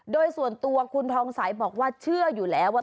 โดยส่วนตัวคุณทองสายบอกว่าเชื่อเนี่ยว่า